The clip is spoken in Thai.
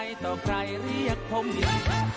ปลอดภัยมันท่าเก่งกัน